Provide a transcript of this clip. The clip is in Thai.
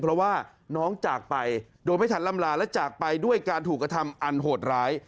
เพราะว่าน้องจากไปโดยไม่ทันล่ำลาและจากไปด้วยการถูกกระทำอันโหดร้าย